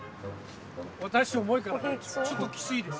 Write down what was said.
私重いからちょっときついです。